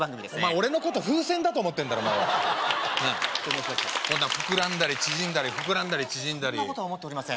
俺のこと風船だと思ってんだろ膨らんだり縮んだり膨らんだり縮んだりそんなことは思っておりません